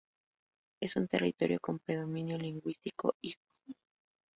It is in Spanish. Es un territorio con predominio lingüístico igbo.